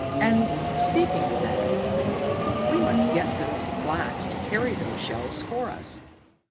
And, speaking of that, we must get those blacks to carry those shells for us.